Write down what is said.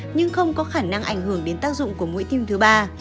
nhưng không có khả năng ảnh hưởng đến tác dụng của mũi tim thứ ba